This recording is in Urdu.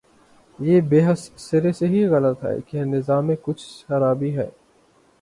یہ بحث سرے سے ہی غلط ہے کہ نظام میں کچھ خرابی ہے۔